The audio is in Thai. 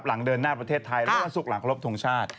หลังเดินหน้าประเทศไทยและวันศุกร์หลังครบทรงชาติ